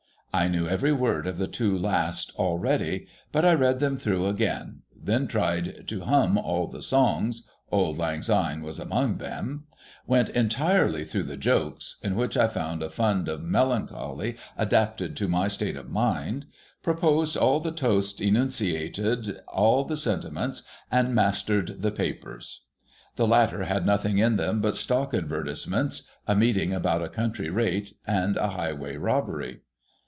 I knew every word of the two last already, but I read them through again, then tried to hum all the songs (Auld Lang Syne was among them) ; went entirely through the jokes, — in which I found a fund of melancholy adapted to my state of mind ; pro posed all the toasts, enunciated all the sentiments, and mastered the papers. The latter had nothing in them but stock advertisements, a meeting about a county rate, and a highway robbery.